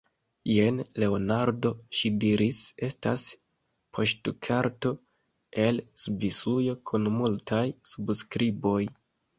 Jen, Leonardo, ŝi diris, estas poŝtkarto el Svisujo kun multaj subskriboj.